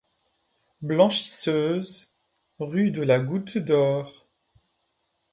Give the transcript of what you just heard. Blanchisseuse, rue de la Goutte-d'Or.